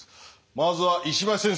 まずは石橋先生。